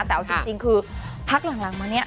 แต่เอาจริงคือพักหลังมาเนี่ย